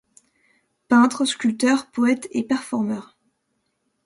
Peintre, sculpteur, poète et performer.